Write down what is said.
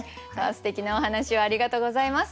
すてきなお話をありがとうございます。